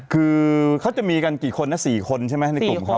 คือเขาจะมีกันกี่คนนะ๔คนใช่ไหมในกลุ่มเขา